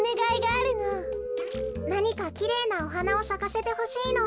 なにかきれいなおはなをさかせてほしいの。